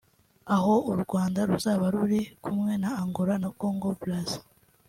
aho u Rwanda ruzaba ruri kumwe na Angola na Congo Brazza